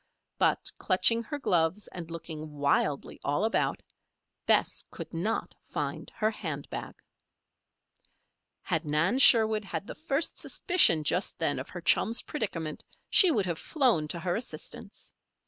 But clutching her gloves and looking wildly all about, Bess could not find her hand bag. Had Nan Sherwood had the first suspicion just then of her chum's predicament she would have flown to her assistance.